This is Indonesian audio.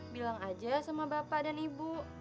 bilang aja sama bapak dan ibu